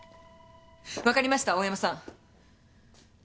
わかりました大山さん。